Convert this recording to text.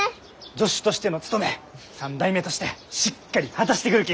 助手としての務め３代目としてしっかり果たしてくるき！